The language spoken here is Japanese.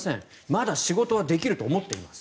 まだ仕事はできると思っています。